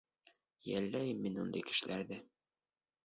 Йәлләйем мин ундай кешеләрҙе.